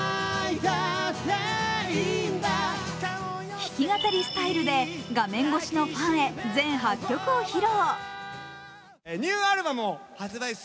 弾き語りスタイルで画面越しのファンへ全８曲を披露。